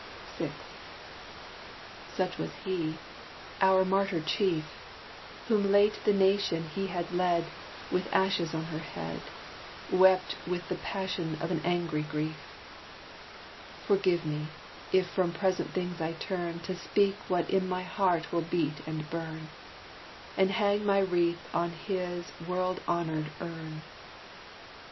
VI Such was he, our Martyr Chief, Whom late the Nation he had led, With ashes on her head, Wept with the passion of an angry grief: Forgive me, if from present things I turn To speak what in my heart will beat and burn, And hang my wreath on his world honored urn.